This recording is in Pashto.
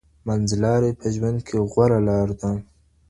منځلاري په ژوند کي غوره لاره ده.